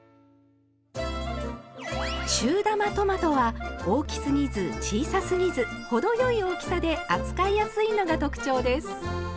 中玉トマトは大きすぎず小さすぎず程よい大きさで扱いやすいのが特徴です。